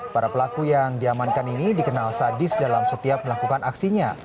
para pelaku yang diamankan ini dikenal sadis dalam setiap melakukan aksinya